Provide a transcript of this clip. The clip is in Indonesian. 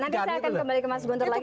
nanti saya akan kembali ke mas guntur lagi